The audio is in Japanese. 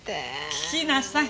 聞きなさい！